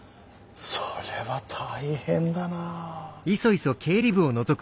それは大変だな。